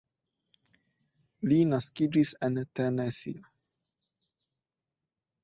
Li naskiĝis en Tenesio.